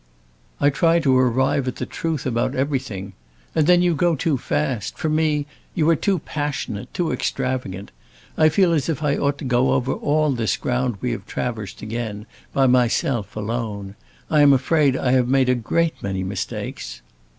"I try to arrive at the truth about everything. And then you go too fast. For me, you are too passionate, too extravagant. I feel as if I ought to go over all this ground we have traversed again, by myself, alone. I am afraid I have made a great many mistakes."